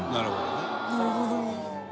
なるほどね。